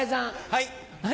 はい。